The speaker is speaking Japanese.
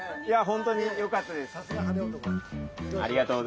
本当によかったです。